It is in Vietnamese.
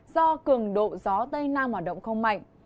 do cường độ gió tây nam hoạt động không mạnh